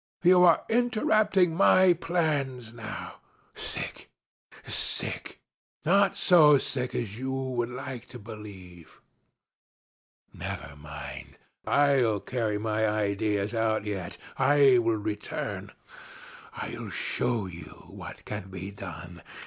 You are interrupting my plans now. Sick! Sick! Not so sick as you would like to believe. Never mind. I'll carry my ideas out yet I will return. I'll show you what can be done.